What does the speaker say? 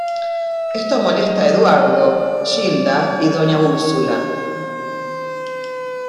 Esto molesta a Eduardo, Gilda y doña Úrsula.